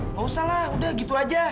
nggak usah lah udah gitu aja